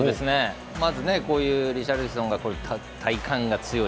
まずこういうリシャルリソンが体幹が強い。